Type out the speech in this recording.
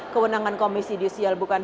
kewenangan komisi judisial bukan